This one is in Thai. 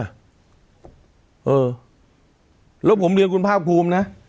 เออแล้วผมเรียนคุณภาคภูมินะ